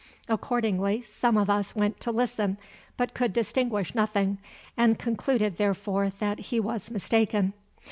Accordingly some of us went to listen, but could distinguish nothing, and concluded therefore that he was mistaken.